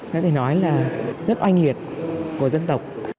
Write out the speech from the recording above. nói phải nói là rất oanh liệt của dân tộc